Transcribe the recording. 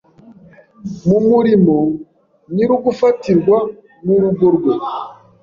mu murimo nyir ugufatirwa n urugo rwe